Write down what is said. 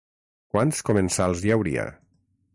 Quants comensals hi hauria?